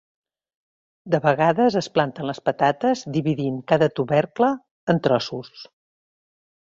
De vegades es planten les patates dividint cada tubercle en trossos.